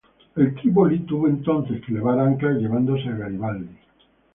El "Trípoli" tuvo entonces que levar anclas llevándose a Garibaldi.